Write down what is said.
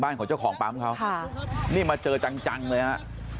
ของเจ้าของปั๊มเขาค่ะนี่มาเจอจังจังเลยฮะ